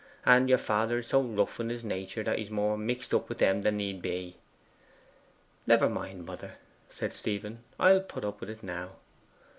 And your father is so rough in his nature that he's more mixed up with them than need be.' 'Never mind, mother,' said Stephen; 'I'll put up with it now.